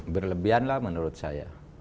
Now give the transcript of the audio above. berlebihanlah menurut saya